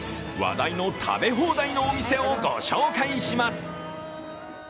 話題の食べ放題のお店を御紹介します。